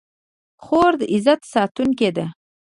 خور د عزت ساتونکې ده.